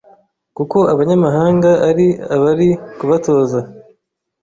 kuko abanyamahanga ari abari kubatoza